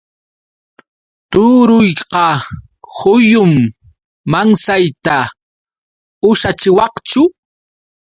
Turuyqa huyum. ¿Mansayta ushachiwaqchu?